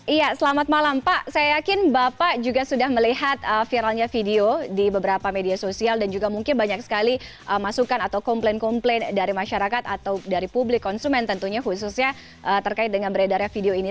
iya selamat malam pak saya yakin bapak juga sudah melihat viralnya video di beberapa media sosial dan juga mungkin banyak sekali masukan atau komplain komplain dari masyarakat atau dari publik konsumen tentunya khususnya terkait dengan beredarnya video ini